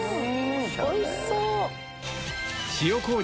おいしそう！